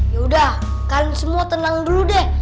yaudah kalian semua tenang dulu deh